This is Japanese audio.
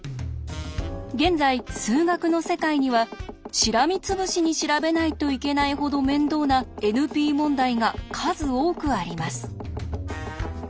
現在数学の世界にはしらみつぶしに調べないといけないほど面倒なＮＰ問題が数多くあります。